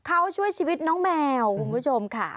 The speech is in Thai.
เขาช่วยชีวิตน้องแมวคุณผู้ชมค่ะ